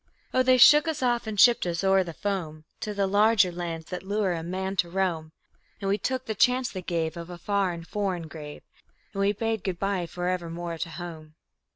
Oh, they shook us off and shipped us o'er the foam, To the larger lands that lure a man to roam; And we took the chance they gave Of a far and foreign grave, And we bade good by for evermore to home.